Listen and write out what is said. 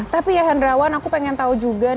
tapi ya hendrawan aku pengen tahu juga